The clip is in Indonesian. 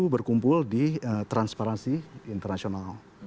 berkumpul di transparansi internasional